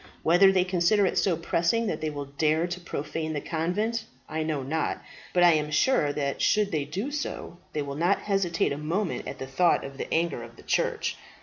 Whether they consider it so pressing that they will dare to profane the convent, I know not. But I am sure that should they do so, they will not hesitate a moment at the thought of the anger of the church.